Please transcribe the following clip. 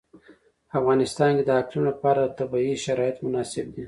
په افغانستان کې د اقلیم لپاره طبیعي شرایط مناسب دي.